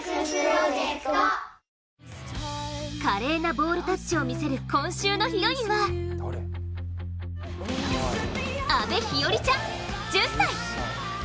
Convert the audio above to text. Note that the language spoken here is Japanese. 華麗なボールタッチを見せる今週のヒロインは阿部妃栞ちゃん、１０歳。